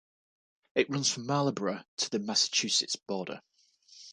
It runs from Marlborough to the Massachusetts border.